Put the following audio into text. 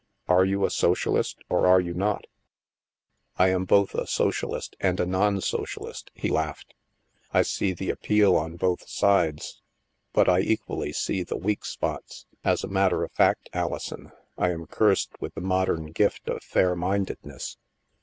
Are you a socialist, or are you not ?"" I am both a socialist and a nonsocialist," he laughed. I see the appeal on both sides, but I equally see the weak spots. As a matter of fact, Alison, I am cursed with the modern gift of fair mindedness.